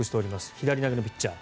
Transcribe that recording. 左投げのピッチャー。